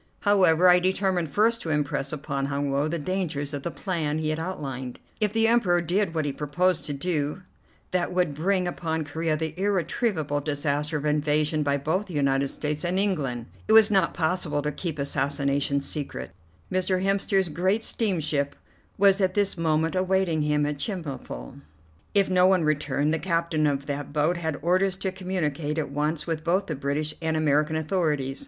However, I determined first to impress upon Hun Woe the dangers of the plan he had outlined. If the Emperor did what he proposed to do, that would bring upon Corea the irretrievable disaster of invasion by both the United States and England. It was not possible to keep assassinations secret. Mr. Hemster's great steamship was at this moment awaiting him at Chemulpo. If no one returned, the captain of that boat had orders to communicate at once with both the British and the American authorities.